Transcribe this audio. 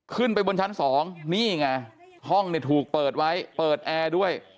ขึ้นไปบนชั้น๒นี่ไงห้องเนี่ยถูกเปิดไว้เปิดแอร์ด้วย